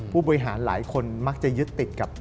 ผู้บริหารหลายคนมักจะยึดติดกับ